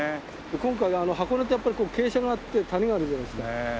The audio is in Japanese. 今回はあの箱根ってやっぱ傾斜があって谷があるじゃないですか。